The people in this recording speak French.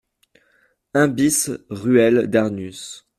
un BIS ruelle Darnus